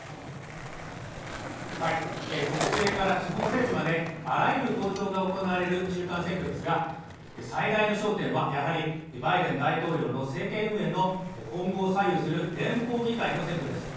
国政から地方政治まであらゆる投票が行われる中間選挙ですが最大の焦点はやはりバイデン大統領の政権運営の今後を左右する連邦議会の選挙です